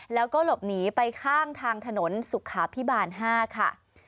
แล้วก็หลบหนีไปข้างทางถนนสุขาพิบาล๕ค่ะ